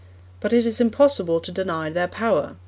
But it is impossible to deny their power.